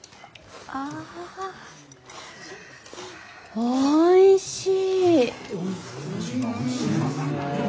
おいしい。